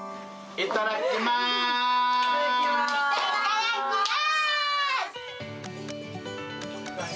いただきます！